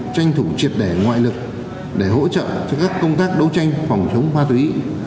tranh thủ triệt để ngoại lực để hỗ trợ cho các công tác đấu tranh phòng chống ma túy